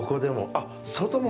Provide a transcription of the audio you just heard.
あっ、外も。